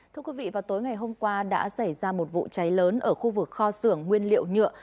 thưa quý vị vào tối ngày hôm qua đã xảy ra một vụ cháy lớn ở khu vực kho xưởng nguyên liệu nhựa